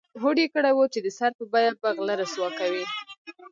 هوډ یې کړی و چې د سر په بیه به غله رسوا کوي.